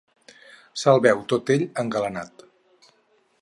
Se’l veu tot ell engalanat.